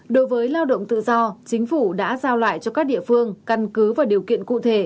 đối với lao động tự do chính phủ đã giao lại cho các địa phương căn cứ vào điều kiện cụ thể